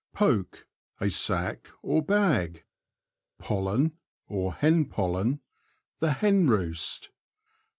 Poke. — A sack or bag. Pollen, or Hen Pollen. — The hen roost.